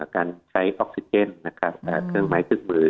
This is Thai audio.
การใช้ออกซิเจนเครื่องไม้ทึกมือ